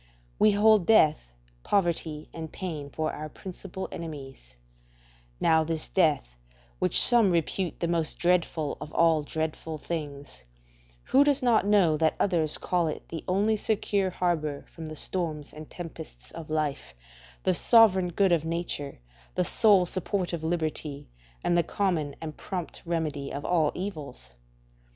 We hold death, poverty, and pain for our principal enemies; now, this death, which some repute the most dreadful of all dreadful things, who does not know that others call it the only secure harbour from the storms and tempests of life, the sovereign good of nature, the sole support of liberty, and the common and prompt remedy of all evils?